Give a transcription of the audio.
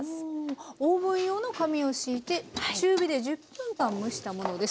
オーブン用の紙を敷いて中火で１０分間蒸したものです。